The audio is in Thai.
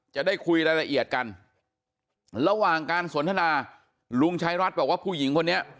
จะได้คุยรายละเอียดกันระหว่างการสนทนาลุงชายรัฐบอกว่าผู้หญิงคนนี้